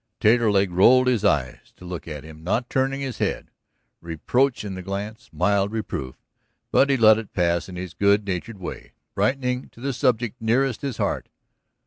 Taterleg rolled his eyes to look at him, not turning his head, reproach in the glance, mild reproof. But he let it pass in his good natured way, brightening to the subject nearest his heart.